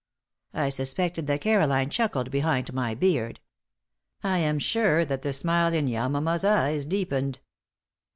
I suspected that Caroline chuckled behind my beard. I am sure that the smile in Yamama's eyes deepened.